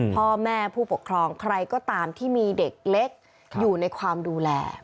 พ่อแม่ผู้ปกครองใครก็ตามที่มีเด็กเล็กอยู่ในความดูแล